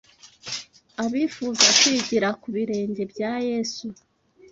abifuza kwigira ku birenge bya Yesu